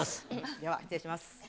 では失礼します。